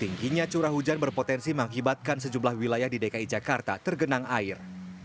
tingginya curah hujan berpotensi mengakibatkan sejumlah wilayah di dki jakarta tergenang air